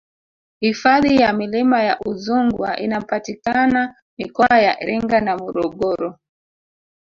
hifadhi ya milima ya udzungwa inapatikana mikoa ya iringa na morogoro